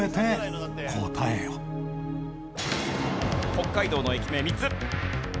北海道の駅名３つ。